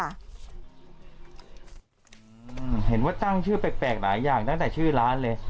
เห็นว่าตั้งชื่อแปลกหลายอย่างตั้งแต่ชื่อร้านเลย